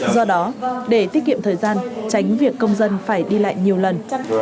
do đó để tiết kiệm thời gian tránh việc công dân phải đi lại nhiều lần